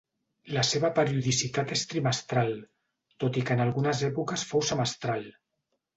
La seva periodicitat és trimestral, tot i que en algunes èpoques fou semestral.